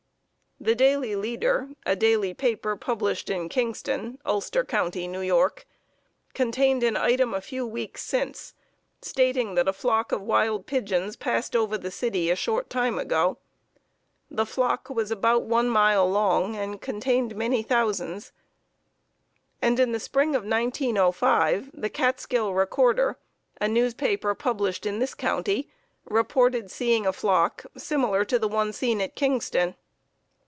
The Daily Leader, a daily paper published in Kingston, Ulster County, N. Y., contained an item a few weeks since stating that a flock of wild pigeons passed over the city a short time ago. The flock was about one mile long and contained many thousands. And in the spring of 1905, the Catskill Recorder, a newspaper published in this county, reported seeing a flock similar to the one seen at Kingston.